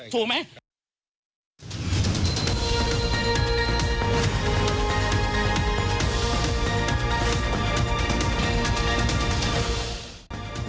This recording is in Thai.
ถูกมั้ย